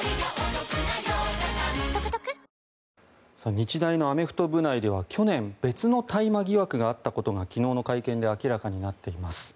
日大のアメフト部内では去年別の大麻疑惑があったことが昨日の会見で明らかになっています。